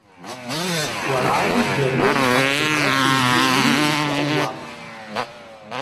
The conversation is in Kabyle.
Werɛad ur d-rriɣ ɣef tebṛat n Lyamin n Saɛid Waɛmeṛ.